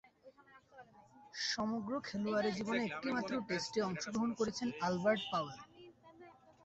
সমগ্র খেলোয়াড়ী জীবনে একটিমাত্র টেস্টে অংশগ্রহণ করেছেন আলবার্ট পাওয়েল।